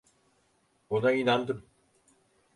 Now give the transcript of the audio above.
Ona inandım.